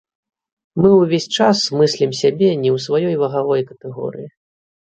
Мы ўвесь час мыслім сябе не ў сваёй вагавой катэгорыі.